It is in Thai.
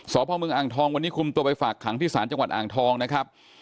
พ่อเมืองอ่างทองวันนี้คุมตัวไปฝากขังที่ศาลจังหวัดอ่างทองนะครับ